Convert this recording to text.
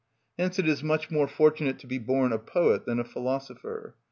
Hence it is much more fortunate to be born a poet than a philosopher.